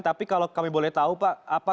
tapi kalau kami boleh tahu pak